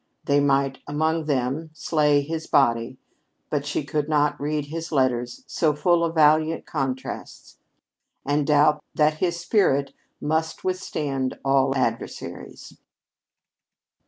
They might, among them, slay his body, but she could not read his letters, so full of valiant contrasts, and doubt that his spirit must withstand all adversaries.